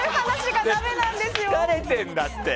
疲れてんだって。